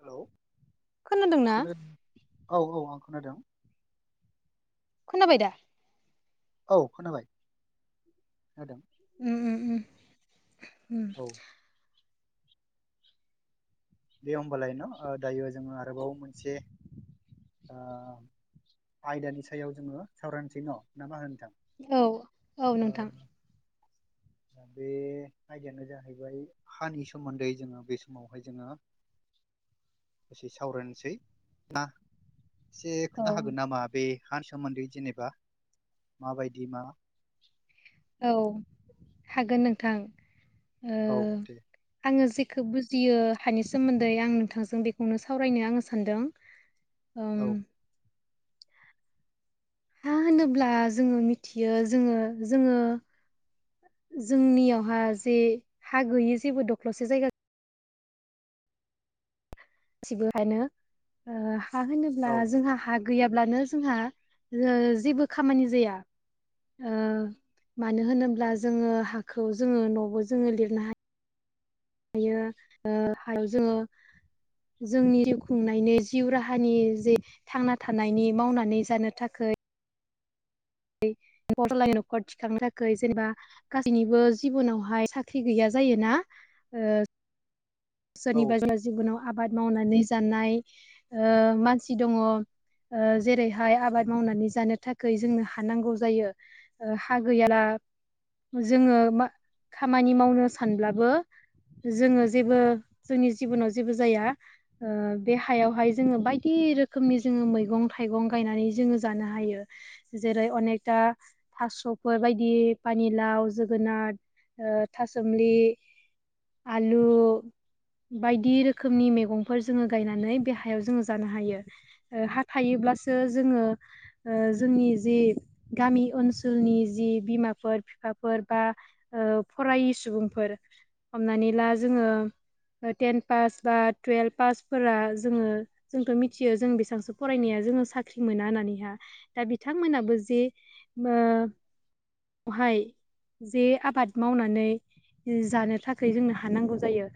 हेल' खोनादोंना खोनादों औ औ आं खोनादों। खोनाबाय दा? औ खोनाबाय खोनादों। उम उम उम। औ दे होमबालाय न दायो जोङो आरोबाव मोनसे आयदानि सायाव जोङो सावरायनोसै न ना माहो नोंथां। औ औ नोंथां। दा बे आयदायानो जाहैबाय हानि सोमोन्दै जोङो बे समावहाय जोङो [inaudible] एसे सावरायनोसै ना एसे औ खोन्था हागोन नामा बे हानि सोमोन्दै जेनेबा माबायदि मा? औ हागोन नोंथां। औ दे। खोब बुजियो हानि सोमोन्दै आं नोंथांजों बेखौनो सावरायनो आङो सानदों। ओं। औ हा होनोब्ला जोङो मिथियो जोङो जोङो जोंनियावहा जे हा गैयि जेबो दख्ल'से जायगा गासिबोखनो हा होनोब्ला औ जोंहा हा गैयाब्लानो जोंहा जेबो खामानि जाया। मानो होनोब्ला जोङो हाखौ जोङो न'बो जोङो लिरनो हाय हायो हायाव जोङो जोंनि जिउ खुंनायनि जिउ राहानि जे थांना थानायनि मावनानै जानो थाखै गदलानि न'खर थिखांनो थाखाय जेनेबा गासैनिबो जिबनावहाय साख्रि गैया। जायोना। औ सोरनिबा जायो जिबनाव आबाद मावनानै जानाय मानसि दङ। जेरैहाय आबाद मावनानै जानो थाखै जोंनो हानांगौ जायो हा गैयाला जोङो खामानि मावनो सानब्लाबो जोङो जेबो जोंनि जिबनाव जेबो जाया ओ बे हायावहाय जोङो बायदि रोखोमनि जोङो मैगं थाइगं गायनानै जोङो जानो हायो जेरै अनेकटा थास'फोर बायदि पानिलाव जोगोनाट ओ थासोमलि आलु बायदि रोखोमनि मेगंफोर जोङो गायनानै बे हायाव जोङो जानो हायो ओ हा थायो ब्लासो जोङो ओ जोंनि जि गामि ओनसोलनि जि बिमाफोर फिफाफोर बा ओ फरायि सुबुंफोर हमनानै ला जोङो ओ टेन पास बा टुवेल्भ पासफोरा जोङो जोंथ' मिथियो जों बेसेसो फरायनाया जो ङो साख्रि मोना होन्नानैहा दा बिथांमोनाबो जे मो अहाय जे आबाद मावनानै जानो थाखै जोंनो हा नांगौ जायो।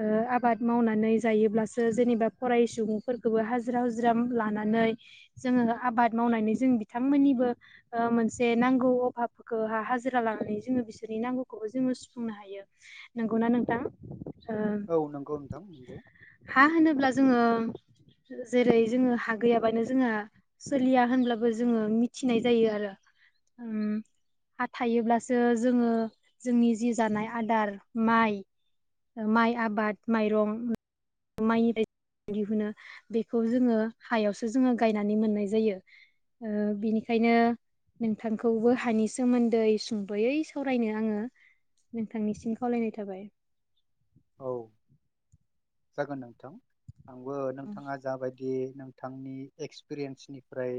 ओ आबाद मावनानै जायोब्लासो जेनेबा फरायि सुबुंफोरखौबो हाजिरा हुजिरा लानानै जोङो आबाद मावनानै जों बिथांमोननिबो ओ मोनसे नांगौ अभाब खौहा हाजिरा लानानै जोङो बिसोरनि नांगौखौबो जोङो सुफुंनो हायो नंगौना नोंथां। औ नंगौ नोंथां नंगौ। हा होनोब्ला जोङो जेरै जोङो हा गैयाबानो जोंहा सोलिया होनब्लाबो जोङो मिथिनाय जायो आरो। ओम। हा थायोब्लासो जोङो जोंनि जि जानाय आदार माइ माइ आबाद माइरं माइ [unintelligible] दिहुनो बेखौ जोङो हायावसो जोङो गायनानै मोननाय जायो। ओ बिनिखायनो नोंथांखौबो हानि सोमोन्दै सुंद'यै सावरायनो आङो नोंथांनिसिम खावलायनाय थाबाय। औ। जागोन नोंथां आंबो नोंथाङा जाबा यदियै नोंथांनि एक्सपिरियेन्सनिफ्राय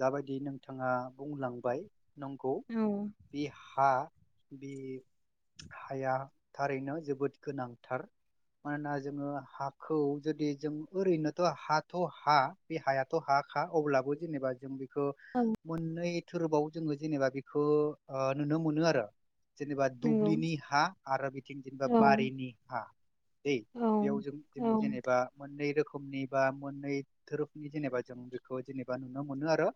जाबादि नोंथाङा बुंलांबाय, नंगौ औ बे हा बे हाया थारैनो जोबोद गोनांथार मानोना जोङो हाखौ जुदि जों ओरैनोथ' हाथ' हा बे हायाथ' हाखा अब्ला बो जेनेबा जों बे खो औ मोननै थोरोबाव जोङो जेनेबा बेखो ओ नुनो मोनो आरो। जेनेबा नंगौ दुब्लिनि हा आरो बिथिं जेनेबा औ बारिनि हा दै। औ बेयाव जों औ जोङो जेनेबा मोननै रोखो मनि बा मोननै थोरोबनि जेनेबा जों बेखौ जेनेबा नुनो मोनो आरो।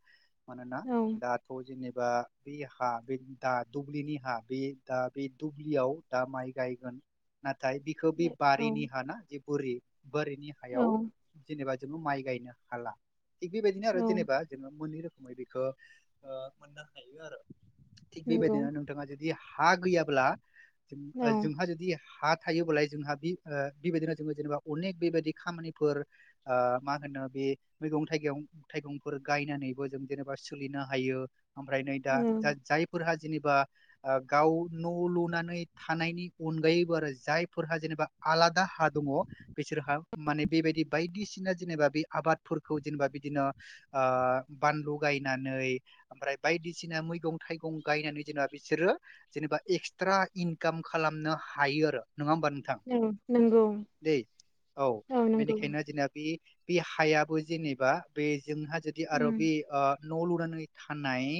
मानोना दाथ' जेने बा बे हा बे दा दुब्लिनि हा बे दा बे दुब्लियाव दा माइ गायगोन। नाथाय बिखो बि औ बारिनि हा ना जे बोरि बोरिनि औ हायाव जेनेबा माइ गायनो हाला थिग बेबायदिनो आरो औ जेनेबा जेनबा मोननै रो खोमै बेखो ओ मोननो हायो आरो थिग नंगौ बेबायदिनो नोंथाङा जोदि हा गैयाब्ला जों ओ औ जोंहा जोदि हा थायोबालाय जोंहा बि ओ बेबायदिनो जोंबो जेनेबा अनेक बेबायदि खामानिफोर ओ मा होनो बे मैगं थाइगं थाइगंफोर गायनानैबो जों जेनेबा सोलिनो हायो ओमफ्राय नै दा औ जाय फोरहा जेनेबा ओ गाव न' लुनानै थानायनि अनगायैबो आरो जायफोरहा जेनेबा आला दा हा दङ बिसोरहा माने बेबायदि बायदिसिना जेनेबा बे आबादफोरखौ जेनेबा बिदिनो ओ बानलु गायनानै ओमफ्राय बायदिसिना मैगं थाइगं गायनानै जेनेबा बे सोरो जेनेबा एक्सट्रा इनकाम खालामनो हायो आरो। नङा होमबा नोंथां? औ नंगौ दै औ। बेनिखायनो जैना बे बे हायाबो जेनेबा बे जोंहा जोदि आरो उम बे ओ न' लुनानै थानाय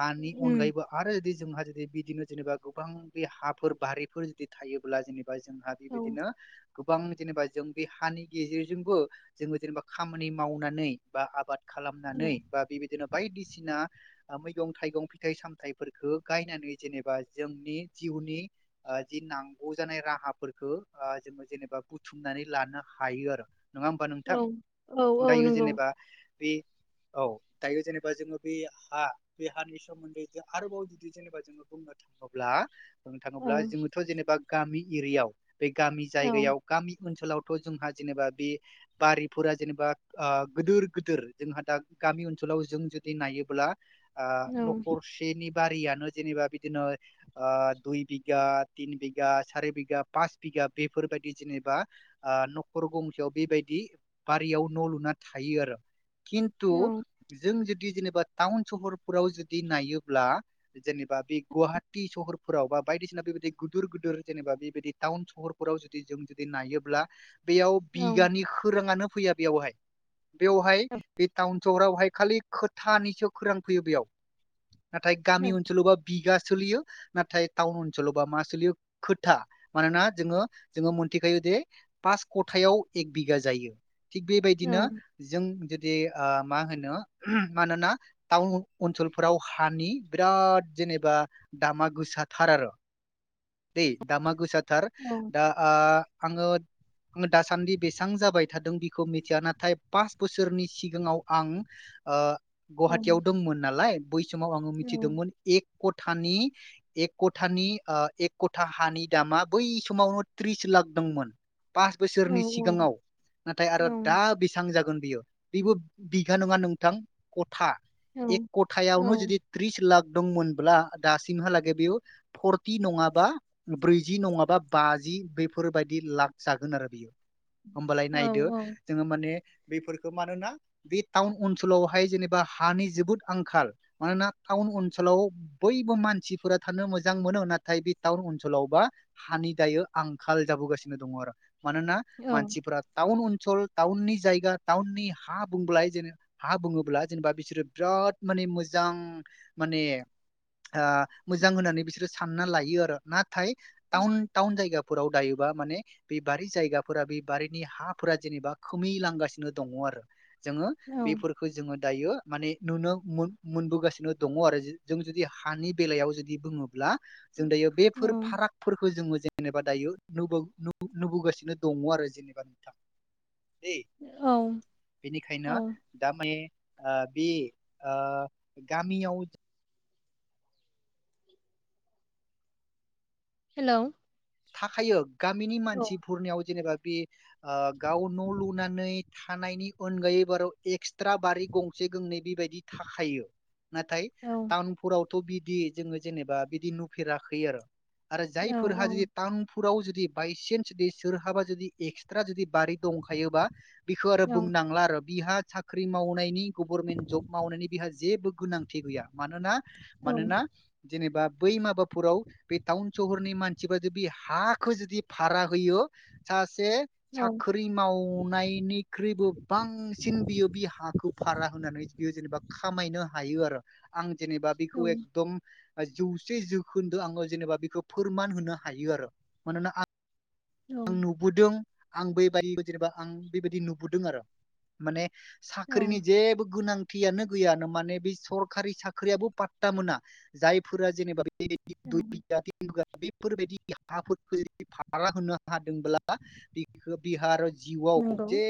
हानि उम अनगायैबो आरो जोदि जोंहा जुदि बिदिनो जेनेबा गोबां बे हाफोर बारिफोर जुदि थायोब्ला जेनेबा जोंहा औ बेबायदिनो गोबां जेनेबा जों बे हानि गेजेरजोंबो जोङो जेनेबा खामानि मावनानै बा आबाद औ खालामनानै बा बेबायदिनो बायदिसिना आ मैगं-थाइगं फिथाइ-सामथायफोरखो गायनानै जेनेबा जोंनि जि उनि जि नांगौ जानाय राहाफोरखो ओ जोङो जेनेबा बुथुमनानै लानो हायो आरो। नङा होमबा नोंथां? औ औ औ दायो नंगौ जेनेबा बे औ। दायो जेनेबा जोङो बे हा बे हानि सोमोन्दै जों आरोबाव जुदि जेनेबा जोङो बुंनो थाङोला बुंनो औ थाङोब्ला जोङोथ' जेनेबा गामि एरियायाव बे गामि जायगायाव गामि ओनसोलाव थ' जोंहा जेनेबा बे बारिफोरा जेनेबा गिदोर-गिदोर जोंहा दा गामि ओनसो लाव जों जुदि नायोब्ला आ औ नख'रसेनि बारियानो जेनेबा बिदिनो दुइ बिगा, तिन बिघा, सारि बिघा, पास बिघा बेफोरबायदि जेनेबा आ न'खर गंसेयाव बेबायदि बारियाव न' लुना था थायो आरो खिन्थु औ जों जों जेनेबा टाउन-सहरफोरावव जुदि नायोब्ला जेनेबा बे गुवाहाटी सहरफोराव बा बायदिसिना बेबायदि गिदिर-गिदिर जेनेबा बेबायदि टाउन सहरफोराव जुदि जों जुदि नायोब्ला बेयाव औ बिगानि खौराङानो फैया बेयावहाय बेयावहाय बे टाउन सहरावहाय खालि खोथानिसो खौरां फैयो बेयाव नाथाय औ गामि ओनसोलावबा बिगा सोलियो नाथाय टाउन ओनसोलावबा मा सोलियो खोथा मानोना जोङो जोङो मोनथिखायो दि पास खथायाव एक बिगा जायो थिग औ बेबायदिनो जों जे आं मा होनो मानोना टाउन ओनसोलफोराव हानि बिराद जेनेबा दामा गोसा थार आरो दै दामा गोसा थार दा आं आङो आङो दासान्दि बेसेबां जाबाय थादों बिखौ मिथिया नाथाय पास बोसोरनि सिगाङाव आं ओ गुवाहाटीयाव दंमोन नालाय बै समाव आङो मिथिदोंमोन एक ख'थानि एक ख'थानि ओ एक क'था हानि दामा बै समावनो त्रिस लाख दंमोन पास बोसोरनि औ सिगाङाव नाथाय आरो दा बेसेबां जागोन यो बेबो बिगा नङा नोंथां खा एक ख'थायावनो जुदि त्रिस लाख दंमोनब्ला दासिमहालागै बेयाव फरटि नङाबा ब्रैजि नङाबा बा बाजि बेफोरबायदि लाख जागोन आरो बियो होमबालाय नायदो जोङो माने बेफोरखौ मानोना बे टाउन ओनसोलावहाय जेनेबा हानि जोबोद आंखाल मानोना टाउन टाउन ओनसोलाव बयबो मानसिफोरा थानो मोजां मोनो नाथाय बे टाउन ओनसोलावबा हानि दायो आंखाल जाबोगासिनो दङ आरो मानोना मानसिफोरा टाउनावनो सहर टाउननि जायगा टाउननि हा बुङोब्ला जेन हा बुङोब्ला जेनेबा बिसोरो बिराद माने मोजां माने आ मोजां होननानै बिसोरो सानना लायो आरो नाथाय टाउन टाउन जायगाफोराव फोराव दायोबा माने बे बारि जायगाफोरा बे बारिनि हाफोरा जेनेबा खमाय लांगासिनो दङ जोङो औ बेफोरखौ जोङो दायो माने नुनो मोनबोगासिनो दङ आरो जों जुदि हानि बेलायाव जुदि बुङोब्ला जों दायो बेफोर फाराग फोरफोरखौ जोङो जेनेबा दायो नुबोगासिनो दङ आरो जेनेबा नोंथां दै औ बेनिखायनो औ दा मान ओ बे ओ गामियाव हेल' थाखायो गामिनि मानसिफोरनियाव जेनेबा [unintelligible] ओ गाव न' लुनानै थानायनि अनगायै बाराव एक्सट्रा बारि गंसे गंनै बेबायदि थाखायो नाथाय टाउन फुराव थ' बिदि जोङो जेनेबा बिदि नुफेराखै आरो आरो जायफोरहा जि टाउन फुराव जुदि बायसेन्स बे सोरहाबा जुदि एक्सट्रा जुदि बारि दंखायोबा बिखौ आरो औ बुंनांला आरो बिहा साख्रि मावनायनि गभर्नमेन्ट ज'ब मावनायनि बिहा जेबो गोनांथि गैया मानोना औ मानोना जेनेबा बै माबाफोराव बे टाउन सहरनि मानसि बा [unintelligible] जुदि हाखौ जुदि भारा होयो सा से साख्रि मावनायनिख्रुइबो बांसिन बियो बि हाखौ भारा होनानै बियो जेनेबा खामायनो हायो आरो आं जेनेबा बेखौ एकदम जौसे जोखोन्दो आङो जेनेबा बेखौ फोरमान होनो हायो आरो मानोना आं आं नुबोदों आं बे बायदि जेनेबा आं बेबायदि नुबुदों आरो माने औ साख्रिनि जेबो गोनां फियानो गैयानो माने बे सरकारि साख्रियाबो पात्ता मोना जायफोरा जेनेबा बे [unintelligible] हादोंब्ला बिखौ बिहा आरो जिउआव नंगौ जे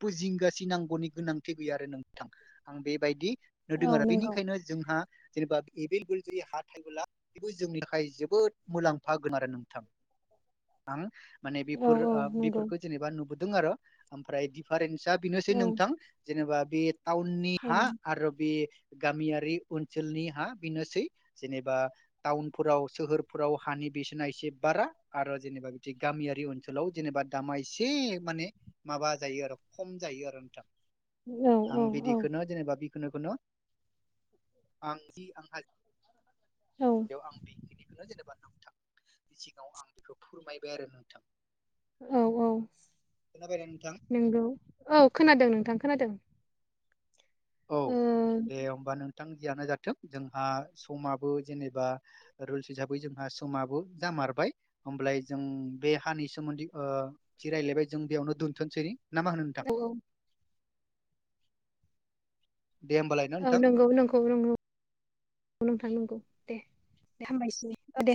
बु जिंगा सिनांगौनि गोनांथि गैया आरो नोंथां आं बेबायदि। नुदों औ आरो नंगौ बेनिखायनो जोंहा। जेनेबा एभेल [unintelligible] हा थायोबोला बेबो जोंनि थाखाय जोबोद मुलाम्फा गोनां आरो नोंथां। [unintelligible] आं माने औ बेफोर औ ओ नंगौ बेफोरखो जेनेबा नुबोदों आरो ओमफ्राय दिफारेन्ट सा बिनोसै औ नोंथां जेनेबा बे टाउननि औ हा आरो बे। गामियारि ओनसोलनि हा बेनोसै जेनेबा टाउनफोराव सोहोरफोराव हानि बिसोना एसे बारा आरो जेनेबा गामियारि ओनसोलाव जेनेबा दामा एसे माने माबा जायो आरो खम जायो आरो नोंथां। औ आं औ बिदिखोनो जेनेबा बि [unintelligible] आं जि आंहा औ बेयाव आं बेखिनिखोनो जेनेबा नोंथांनि सिगाङाव आं बेखौ फोरमाय बाय आरो नोंथां। औ-औ खोनाबायना नोंथां नोंगौ औ खोनादों नोंथां खोनादों। औ ओ दे होमबा नों थां जियानो जाथों जोंहा समाबो जेनेबा रुलस हिसाबै जोंहा समाबो जाम मारबाय होमब्लाय जों बे हानि सोमोन्दै ओ जि राय्लायबाय जों बेयावनो दोनथ'सै। ना मा होनो नोंथां। औ दे होमबालाय ना औ नोंथां नंगौ नंगौ नंगौ नोंथां नंगौ। दे-दे हामबायसै ओ दे।